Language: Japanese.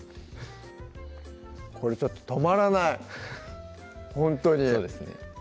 これちょっと止まらないほんとにそうですね